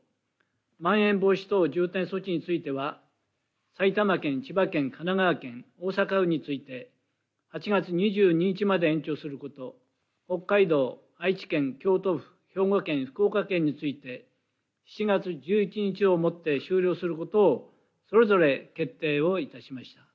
まん延防止等重点措置については埼玉県、千葉県、神奈川県大阪府について８月２２日まで延長すること北海道、愛知県、京都府兵庫県、福岡県について８月１１日をもって終了することをそれぞれ決定しました。